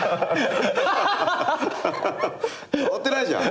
変わってないじゃん。